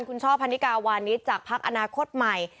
คุณโชสพันธิกาวันนี้จากภักดิ์อนาคตใหม่